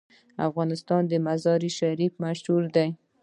افغانستان د مزارشریف لپاره مشهور دی.